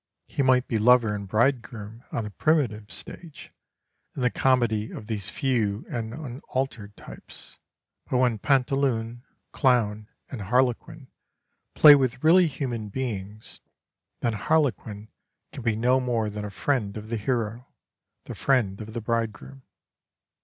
He might be lover and bridegroom on the primitive stage, in the comedy of these few and unaltered types; but when Pantaloon, Clown, and Harlequin play with really human beings, then Harlequin can be no more than a friend of the hero, the friend of the bridegroom.